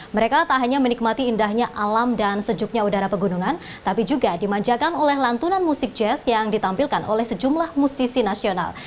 mereka tak hanya menikmati indahnya alam dan sejuknya udara pegunungan tapi juga dimanjakan oleh lantunan musik jazz yang ditampilkan oleh sejumlah musisi nasional